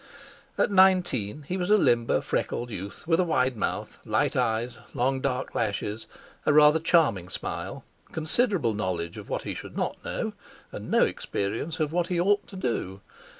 At nineteen he was a limber, freckled youth with a wide mouth, light eyes, long dark lashes; a rather charming smile, considerable knowledge of what he should not know, and no experience of what he ought to do.